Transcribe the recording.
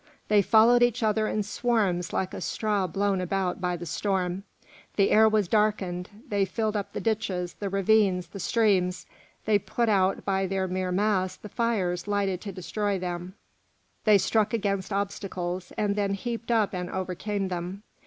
They followed each other in swarms like the straw blown about by the storm; the air was darkened; they filled up the ditches, the ravines, the streams; they put out by their mere mass the fires lighted to destroy them; they struck against obstacles and then heaped up and overcame them.